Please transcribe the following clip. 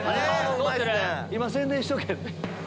今宣伝しとけ。